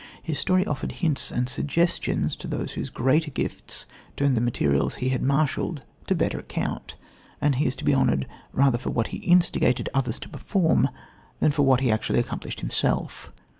His story offered hints and suggestions to those whose greater gifts turned the materials he had marshalled to better account, and he is to be honoured rather for what he instigated others to perform than for what he actually accomplished himself.